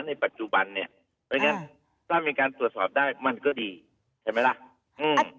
ในปัจจุบันเนี่ยเพราะฉะนั้นถ้ามีการตรวจสอบได้มันก็ดีใช่ไหมล่ะอืม